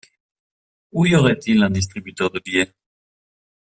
Où y aurait-il un distributeur de billets ?